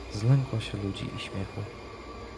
Zlękła się ludzi i śmiechu.